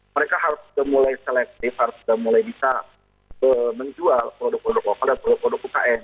mereka harus sudah mulai selektif harus sudah mulai bisa menjual produk produk lokal dan produk produk ukm